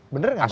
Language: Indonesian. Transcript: bener gak mas